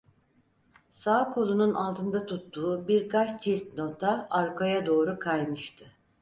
Sağ kolunun altında tuttuğu birkaç cilt nota arkaya doğru kaymıştı.